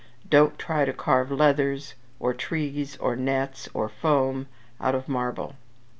Don't try to carve leathers, or trees, or nets, or foam, out of marble.